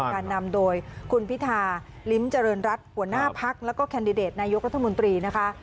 การนำโดยคุณพิธาลิ้มเจริญรัฐหัวหน้าพักแล้วก็แคนดิเดตนายกรัฐมนตรีนะคะ